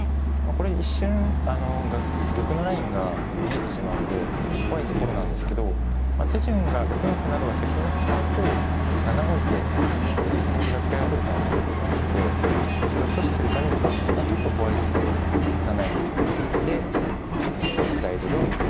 これ一瞬あの玉のラインが見えてしまうので怖いところなんですけど手順が６四歩などが先になってしまうと７五歩と先手が位を取る可能性も出てきたのでそれを阻止するためにちょっと怖いんですけど７四歩と先に突いて位取りを阻止しましたね。